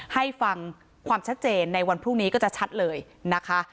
ให้ฟังความชัดเจนในวันพรุ่งนี้ก็จะชัดเลยนะคะ